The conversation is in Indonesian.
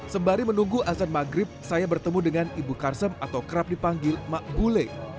sembari menunggu azan maghrib saya bertemu dengan ibu karsem atau kerap dipanggil mak gulai